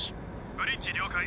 ブリッジ了解。